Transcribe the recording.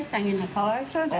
かわいそうだよ。